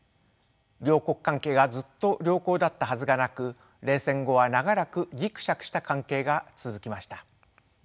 両国関係がずっと良好だったはずがなく冷戦後は長らくギクシャクした関係が続きました。